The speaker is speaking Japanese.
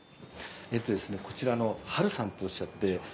えっとですねこちらのハルさんとおっしゃって